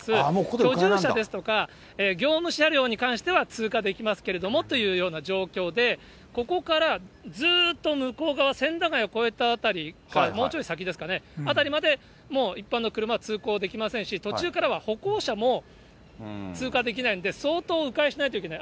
路駐車ですとか、業務車両に関しては通過できますけれどもというような状況で、ここからずっと向こう側、千駄ヶ谷越えた辺り、もうちょい先ですかね、辺りまで、もう一般の車は通行できませんし、途中からは歩行者も通過できないんで、相当う回しないといけない。